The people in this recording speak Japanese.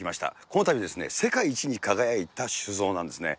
このたび世界一に輝いた酒蔵なんですね。